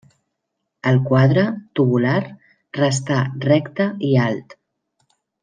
El quadre, tubular, restà recte i alt.